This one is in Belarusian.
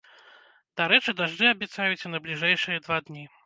Дарэчы, дажджы абяцаюць і на бліжэйшыя два дні.